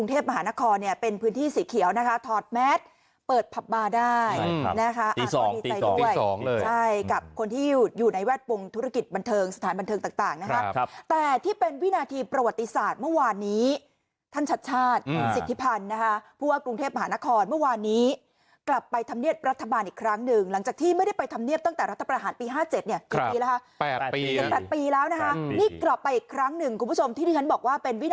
สถานบันเทิงต่างนะครับแต่ที่เป็นวินาทีประวัติศาสตร์เมื่อวานนี้ท่านชัดชาติสิทธิพันธ์นะคะเพราะว่ากรุงเทพหานครเมื่อวานนี้กลับไปทำเนียดรัฐบาลอีกครั้งหนึ่งหลังจากที่ไม่ได้ไปทำเนียดตั้งแต่รัฐประหารปี๕๗เนี่ย๘ปีแล้วนะฮะนี่กลับไปอีกครั้งหนึ่งคุณผู้ชมที่ดิฉันบอกว่าเป็นวิ